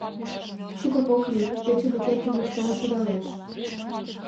Шукак ок лий — пече деке Илюш толын шогалеш.